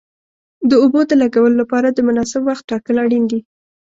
د اوبو د لګولو لپاره د مناسب وخت ټاکل اړین دي.